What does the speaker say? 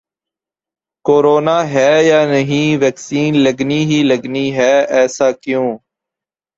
corona ہے یا نہیں ویکسین لگنی ہی لگنی ہے، ایسا کیوں